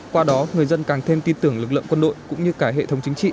qua đó người dân càng thêm tin tưởng lực lượng quân đội cũng như cả hệ thống chính trị